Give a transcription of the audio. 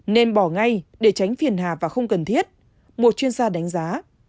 nên bỏ ngay để tránh phiền hà và không cần thiết một chuyên gia đánh giá